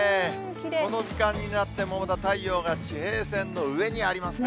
この時間になっても、まだ太陽が地平線の上にありますね。